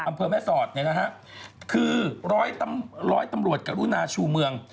อำเภอแม่สอดเนี่ยนะฮะคือร้อยร้อยตำรวจกรุณาชูเมือง